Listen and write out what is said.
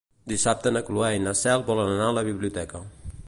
Dissabte na Cloè i na Cel volen anar a la biblioteca.